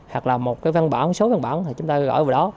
hoặc là một cái văn bản số văn bản thì chúng ta gọi vào đó